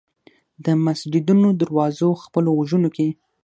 د مسجدونو دروازو خپلو غوږونو کې